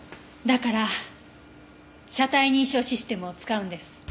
だから車体認証システムを使うんです。